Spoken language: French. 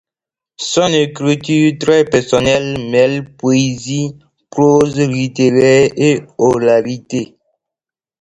Son écriture très personnelle, mêle poésie, prose littéraire et oralité.